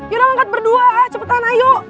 yaudah angkat berdua cepetan ayo